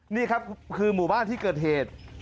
นี่ครับคือหมู่บ้านที่เกิดเหตุ